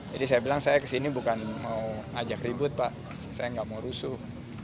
saya bilang saya kesini bukan mau ngajak ribut pak saya nggak mau rusuh